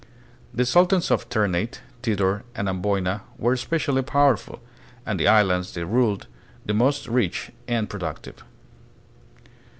The sultans of Ternate, Tidor, and Amboina were especially powerful, and the islands they ruled the most rich and productive.